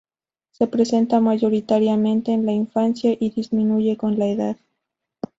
Se presenta mayoritariamente en la infancia y disminuye con la edad.